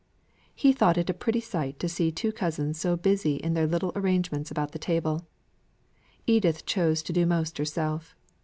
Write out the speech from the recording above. He thought it a pretty sight to see the two cousins so busy in their little arrangements about the table. Edith chose to do most herself.